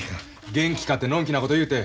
元気かてのんきなこと言うて。